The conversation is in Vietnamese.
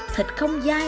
thịt không dai